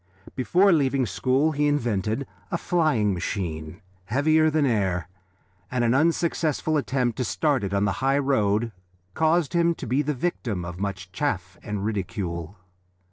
Before leaving school he invented a flying machine (heavier than air), and an unsuccessful attempt to start it on the high road caused him to be the victim of much chaff and ridicule.